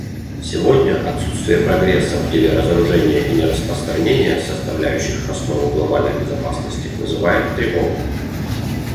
Сегодня отсутствие прогресса в деле разоружения и нераспространения, составляющих основу глобальной безопасности, вызывает тревогу.